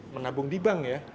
menabung di bank ya